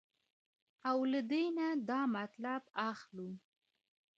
او له دې نه دا مطلب اخلو